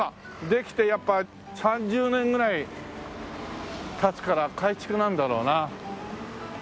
できてやっぱ３０年ぐらい経つから改築なんだろうな。